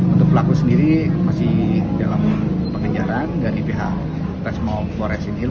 untuk pelaku sendiri masih dalam pengejaran dari pihak resmo pores ini